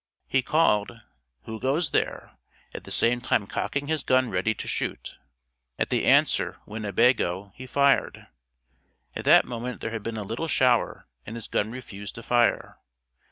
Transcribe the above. He called, "Who goes there?" at the same time cocking his gun ready to shoot. At the answer, "Winnebago" he fired. At that moment there had been a little shower and his gun refused to fire.